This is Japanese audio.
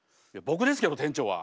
僕ですけど店長は。